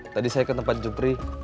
tadi saya ke tempat jupri